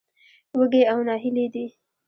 وږي او نهيلي دي.